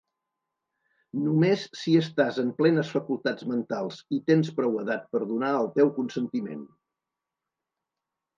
Només si estàs en plenes facultats mentals i tens prou edat per donar el teu consentiment.